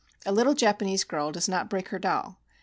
A little Japanese girl does not break her doll.